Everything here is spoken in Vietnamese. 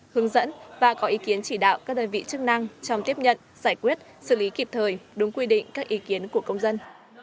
hướng dẫn và có ý kiến chỉ đạo các đơn vị chức năng trong tiếp nhận giải quyết xử lý kịp thời đúng quy định các ý kiến của công dân